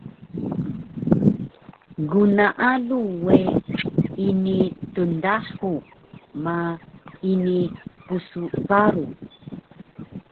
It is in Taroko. Gnaalu we ini tndahu ma ini psparu